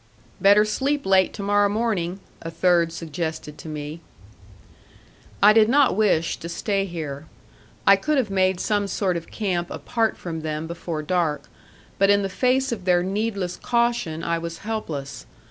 "Better sleep late to morrow morning," a third suggested to me. I did not wish to stay here. I could have made some sort of camp apart from them before dark; but in the face of their needless caution I was helpless.